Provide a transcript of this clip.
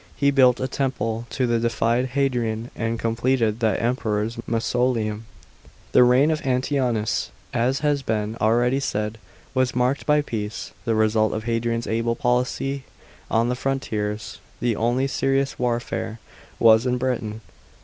He built a temple to the deified Hadrian, and completed that Emperor's mausoleum. 138 161 A.D. WALL IN NORTH BRITAIN. 525 § 3. The reign of Antoninus, as has been already said, was marked by peace, the result of Hadrian's able policy on the frontiers. The only serious warfare was in Britain.